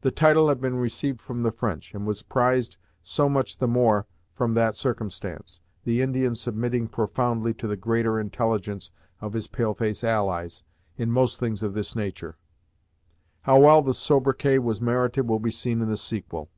The title had been received from the French, and was prized so much the more from that circumstance, the Indian submitting profoundly to the greater intelligence of his pale face allies, in most things of this nature. How well the sobriquet was merited will be seen in the sequel.